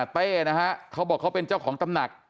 เต้นะฮะเขาบอกเขาเป็นเจ้าของตำหนัก